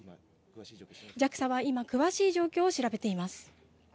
ＪＡＸＡは今、詳しい状況を調べています。